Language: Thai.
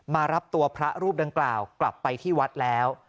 มารับตัวพระรูปดังกล่าวกลับไปที่วัดแล้ว